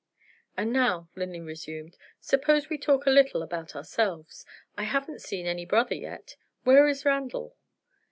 "And now," Linley resumed, "suppose we talk a little about ourselves. I haven't seen any brother yet. Where is Randal?"